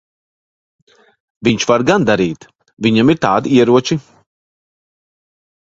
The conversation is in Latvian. Viņš var gan darīt. Viņam ir tādi ieroči.